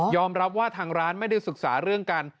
รับว่าทางร้านไม่ได้ศึกษาเรื่องการ